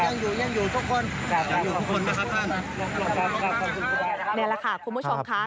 นี่แหละค่ะคุณผู้ชมค่ะ